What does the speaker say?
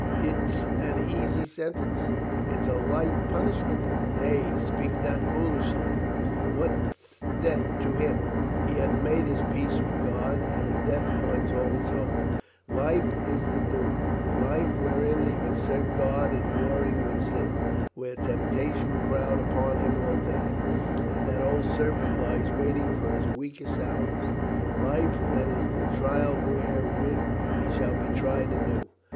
It's an easy sentence ? It's a light punishment? Nay, speak not so foolishly. What's death to him? He hath made his peace with God and in death finds all his hope. Life is the doom, life wherein he must serve God in warring with sin, where temptations crowd upon him all day, and that old serpent lies waiting for his weakest hours, life that is the trial wherewith he shall be tried anew.